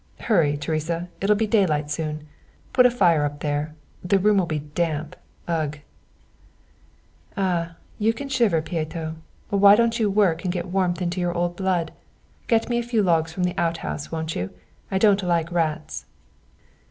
Hurry, Teresa, it'll be daylight soon. Put a fire up there, the room will be damp ugh!" "Ah, you can shiver, Pieto. Why don't you work and get warmth into your old blood? Get me a few logs from the outhouse, won't you? I don't like rats."